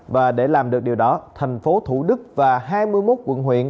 và để làm được điều đó thành phố thủ đức và hai mươi một quận huyện